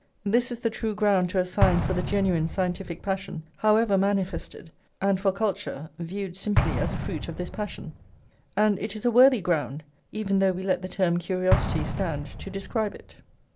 This is the true ground to assign for the genuine scientific passion, however manifested, and for culture, viewed simply as a fruit of this passion; and it is a worthy ground, even though we let the term curiosity stand to describe it.